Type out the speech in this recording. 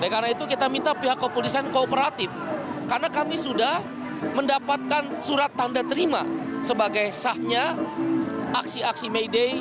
karena itu kita minta pihak kepolisian kooperatif karena kami sudah mendapatkan surat tanda terima sebagai sahnya aksi aksi mede